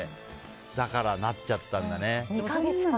だからなっちゃったんだね。